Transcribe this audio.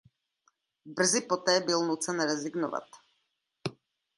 Brzy poté byl nucen rezignovat.